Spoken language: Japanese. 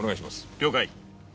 了解。